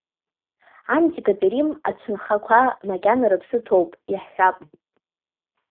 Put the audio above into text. Антикатәи Рим ацәынхақәа макьана рыԥсы ҭоуп, иаҳҳәап…